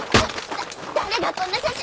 だ誰がこんな写真。